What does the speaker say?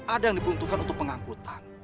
ada yang diperuntukkan untuk pengangkutan